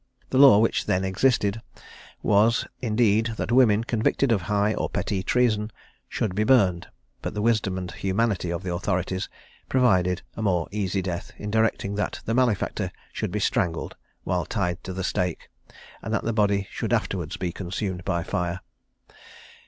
The law which then existed was, indeed, that women, convicted of high or petit treason, should be burned; but the wisdom and humanity of the authorities provided a more easy death, in directing that the malefactor should be strangled, while tied to the stake, and that the body should afterwards be consumed by fire.